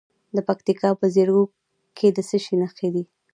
د پکتیکا په زیروک کې د څه شي نښې دي؟